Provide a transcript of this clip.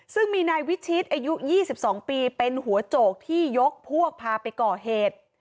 ซึ่งมีนายวิชิตอายุ๒๒ปีเป็นหัวโจกที่ยกพวกพาไปก่อเหตุ